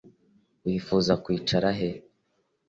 Wifuza kwicara he